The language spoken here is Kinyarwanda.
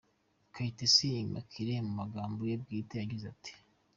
Kayitesi Immaculate mu magambo ye bwite yagize ati:�?